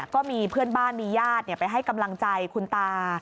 ก็มีเพื่อนบ้านมีญาติไปให้กำลังใจคุณตา